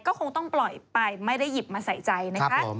ก็คงต้องปล่อยไปไม่ได้หยิบมาใส่ใจนะคะ